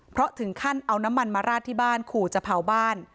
เพราะถึงขั้นเอาน้ำมันมาราดที่บ้านขู่จะเผาบ้าน